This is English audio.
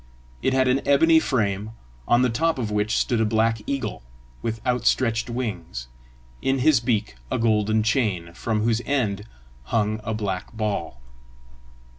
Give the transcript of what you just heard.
It had an ebony frame, on the top of which stood a black eagle, with outstretched wings, in his beak a golden chain, from whose end hung a black ball.